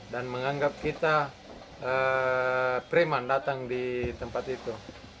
menganggap kita preman datang di tempat itu